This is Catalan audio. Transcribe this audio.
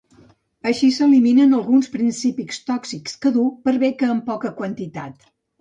Així s'eliminen alguns principis tòxics que duu, per bé que en poca quantitat.